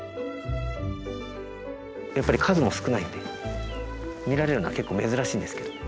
やっぱり数も少ないんで見られるのは結構珍しいんですけど。